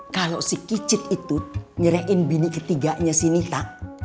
kalau si kicit itu nyerahin bini ketiganya si nita